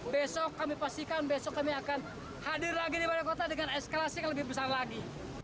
besok kami pastikan besok kami akan hadir lagi di balai kota dengan eskalasi yang lebih besar lagi